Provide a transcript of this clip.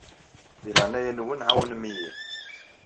Di leɛnaya-nwen ɛawnem-iyi.